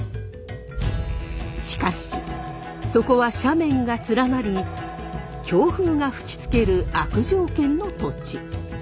しかしそこは斜面が連なり強風が吹きつける悪条件の土地。